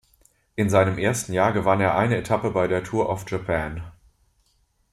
In seinem ersten Jahr gewann er eine Etappe bei der Tour of Japan.